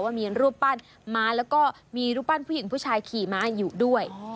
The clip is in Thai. ว่ามีรูปปั้นม้าแล้วก็มีรูปปั้นผู้หญิงผู้ชายขี่ม้าอยู่ด้วย